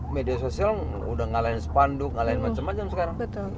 media sosial sudah mengalahkan sepanduk mengalahkan macam macam sekarang